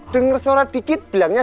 dengar suara dikit bilangnya